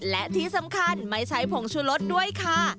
และที่สำคัญไม่ใช่ผงชูรสด้วยค่ะ